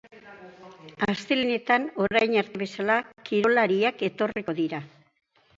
Astelehenetan, orain arte bezala, kirolariak etorriko dira.